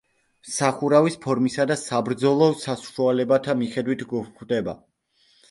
სახურავის ფორმისა და საბრძოლო საშუალებათა მიხედვით გვხვდება.